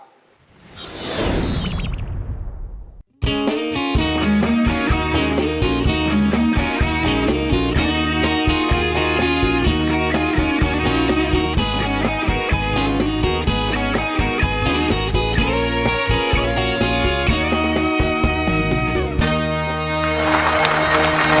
พุทธครับ